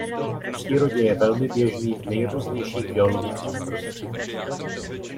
V přírodě je velmi běžný v nejrůznějších geologických prostředích.